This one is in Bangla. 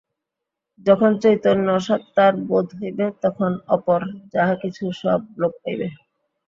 যখন চৈতন্য সত্তার বোধ হইবে, তখন অপর যাহা কিছু সব লোপ পাইবে।